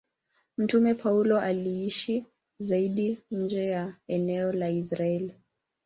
Mtume Paulo aliishi zaidi nje ya eneo la Israeli.